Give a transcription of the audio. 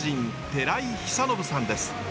寺井久延さんです。